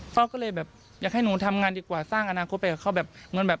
เขาก็เลยแบบอยากให้หนูทำงานดีกว่าสร้างอนาคตไปกับเขา